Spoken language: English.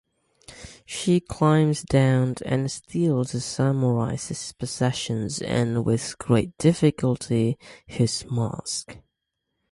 She climbs down and steals the samurai's possessions and, with great difficulty, his mask.